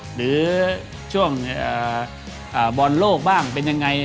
หรือช่วงบอลโลกบ้างเป็นยังไง